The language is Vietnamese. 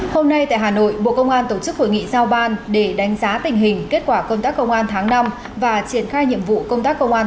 hôm nay tại hà nội bộ công an tổ chức hội nghị giao ban để đánh giá tình hình kết quả công tác công an tháng năm và triển khai nhiệm vụ công tác công an